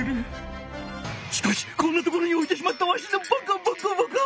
しかしこんなところにおいてしまったわしのばかばかばか！